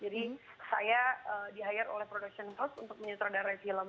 jadi saya di hire oleh production house untuk menyutradarai film